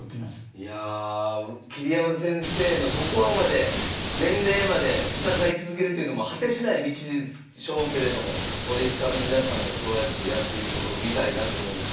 いや桐山先生のところまで年齢まで戦い続けるっていうのも果てしない道でしょうけれどもお弟子さんの皆さんがそうやってやっていくところを見たいなと思います。